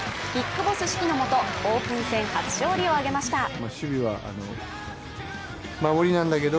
ビッグボス指揮のもとオープン戦初勝利を挙げました。